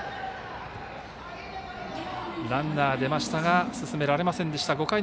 ランナー出ましたが進められませんでした。